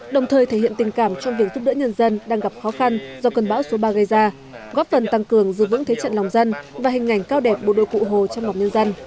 đồng thời thể hiện tình cảm trong việc giúp đỡ nhân dân đang gặp khó khăn do cơn bão số ba gây ra góp phần tăng cường giữ vững thế trận lòng dân và hình ảnh cao đẹp bộ đội cụ hồ trong mọc nhân dân